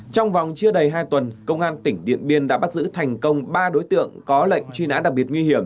trong vòng chưa đầy hai tuần công an tỉnh điện biên đã bắt giữ thành công ba đối tượng có lệnh truy nã đặc biệt nguy hiểm